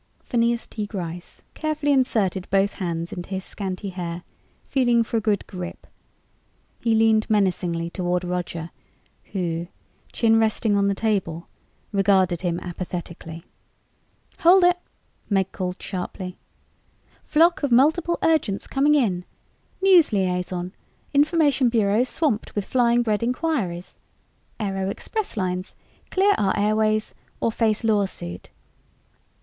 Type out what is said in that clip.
Phineas T. Gryce carefully inserted both hands into his scanty hair, feeling for a good grip. He leaned menacingly toward Roger who, chin resting on the table, regarded him apathetically. "Hold it!" Meg called sharply. "Flock of multiple urgents coming in. News Liaison: information bureaus swamped with flying bread inquiries. Aero expresslines: Clear our airways or face law suit.